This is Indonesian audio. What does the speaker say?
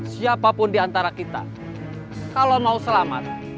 siapapun di antara kita kalau mau selamat